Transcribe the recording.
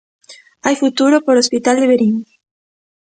Hai futuro para o Hospital de Verín.